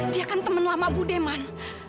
dia kan teman lama bu deh man